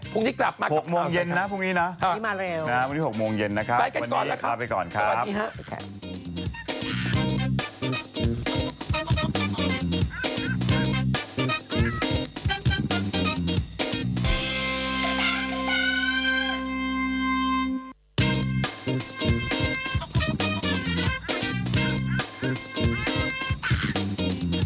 พรุ่งนี้กลับมาก่อนครับพรุ่งนี้นะครับวันนี้๖โมงเย็นนะครับวันนี้กลับไปก่อนครับตอนนี้ครับ